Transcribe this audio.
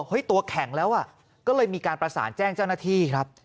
ตัวแข็งแล้วอ่ะก็เลยมีการประสานแจ้งเจ้าหน้าที่ครับ